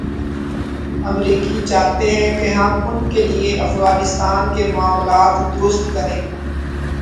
امریکی چاہتے ہیں کہ ہم ا ن کے لیے افغانستان کے معاملات درست کریں۔